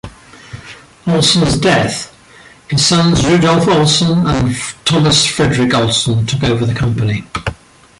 Olsen's death, his sons Rudolf Olsen and Thomas Fredrik Olsen took over the company.